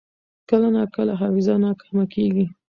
کله ناکله حافظه ناکامه کېږي.